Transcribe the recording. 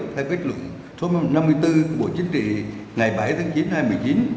theo kết luận số năm mươi bốn của bộ chính trị ngày bảy tháng chín hai nghìn một mươi chín